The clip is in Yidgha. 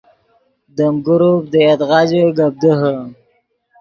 دیم گروپ دے یدغا ژے گپ دیہے